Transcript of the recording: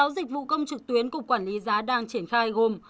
sáu dịch vụ công trực tuyến cục quản lý giá đang triển khai gồm